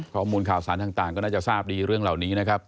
ข้อมูลข่าวสารต่างก็น่าจะทราบดีเรื่องเหล่านี้นะครับ